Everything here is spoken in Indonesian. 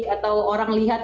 atau orang lihat